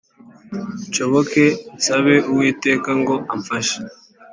nsohoke nsabe Uwiteka ngo amfashe